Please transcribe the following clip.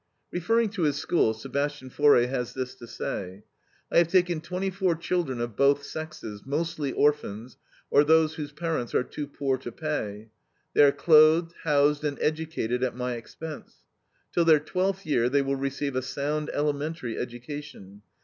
Referring to his school, Sebastian Faure has this to say: "I have taken twenty four children of both sexes, mostly orphans, or those whose parents are too poor to pay. They are clothed, housed, and educated at my expense. Till their twelfth year they will receive a sound, elementary education.